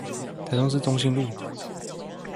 台中市東興路